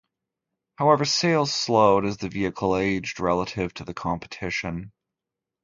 However, sales slowed as the vehicle aged relative to the competition.